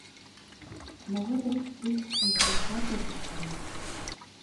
Mazal la tetteg temsulta tasestant.